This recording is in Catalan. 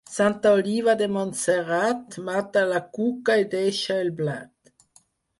Santa Oliva de Montserrat, mata la cuca i deixa el blat.